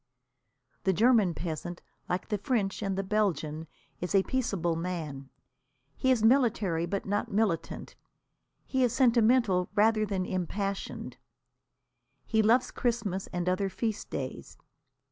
The German peasant, like the French and the Belgian, is a peaceable man. He is military but not militant. He is sentimental rather than impassioned. He loves Christmas and other feast days.